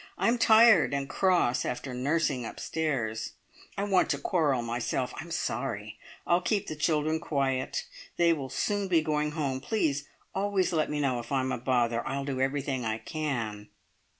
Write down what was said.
I'm tired and cross after nursing upstairs. I want to quarrel myself. I'm sorry! I'll keep the children quiet. They will soon be going home. Please always let me know if I'm a bother. I'll do everything I can!"